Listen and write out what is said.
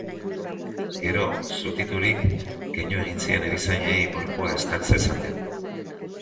Gero, zutiturik, keinu egin zien erizainei gorpua estal zezaten.